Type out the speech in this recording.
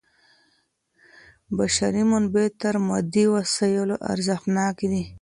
بشري منابع تر مادي وسایلو ارزښتناکي دي.